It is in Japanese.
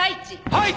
はい！